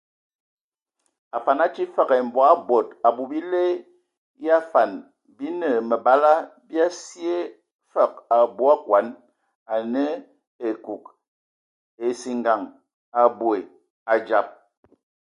Afan atii fəg ai mvɔi bod, abui, bile ya afan bi nə məbala bia sye fəg abui akɔn anə ekug, esingan aboe adzab.